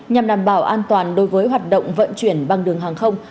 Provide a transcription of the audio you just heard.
nhằm đảm bảo an toàn đối với hoạt động vận chuyển bằng đường hàng không